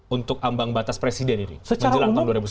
untuk ambang batas presiden ini menjelang tahun dua ribu sembilan belas